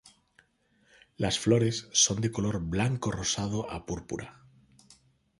Las flores son de color blanco-rosado a púrpura.